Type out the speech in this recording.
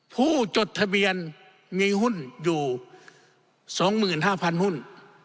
จดทะเบียนมีหุ้นอยู่๒๕๐๐หุ้น